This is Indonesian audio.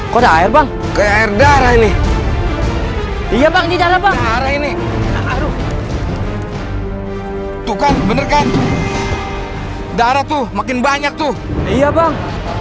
kode air bang keadaan ini iya banget ini tuh kan bener kan darah tuh makin banyak tuh iya bang